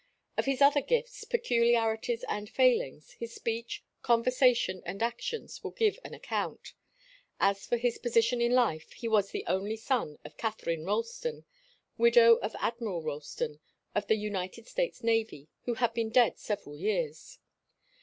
Of his other gifts, peculiarities and failings, his speech, conversation and actions will give an account. As for his position in life, he was the only son of Katharine Ralston, widow of Admiral Ralston of the United States Navy, who had been dead several years.